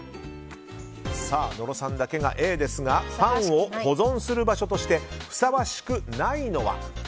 野呂さんだけがＡですがパンを保存する場所としてふさわしくないのは。